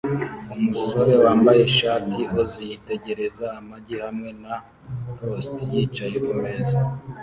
Umusore wambaye ishati "Ozzy" yitegereza amagi hamwe na toast yicaye kumeza